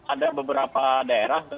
ada beberapa daerah